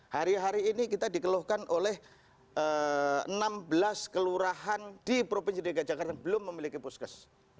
hari hari ini kita dikeluhkan oleh enam belas kelurahan di provinsi dki jakarta yang belum memiliki puskes